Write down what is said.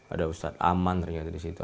ada ustadz aman ternyata di situ